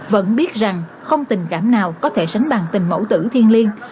vẫn biết rằng không tình cảm nào có thể sánh bằng tình mẫu tử thiên liêng